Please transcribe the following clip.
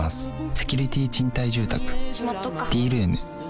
セキュリティ賃貸住宅「Ｄ−ｒｏｏｍ」しまっとくか。